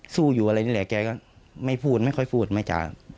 สู้อยู่อะไรนี่แหละแกก็ไม่พูดไม่ค่อยพูดไม่จ่า